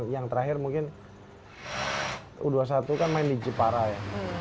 yang terakhir mungkin u dua puluh satu kan main di jepara ya